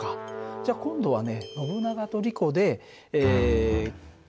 じゃあ今度はね